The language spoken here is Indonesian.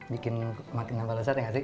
bikin makin nambah lezat ya gak sih